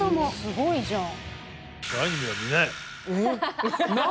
すごいじゃん。